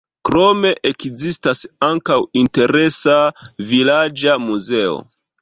Krome ekzistas ankaŭ interesa vilaĝa muzeo.